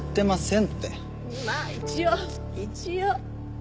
まあ一応一応！